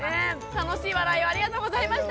楽しい笑いをありがとうございました！